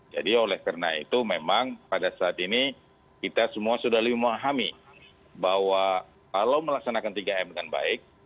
jadi oleh karena itu memang pada saat ini kita semua sudah lebih memahami bahwa kalau melaksanakan tiga m dengan baik